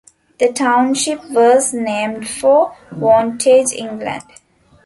The township was named for Wantage, England.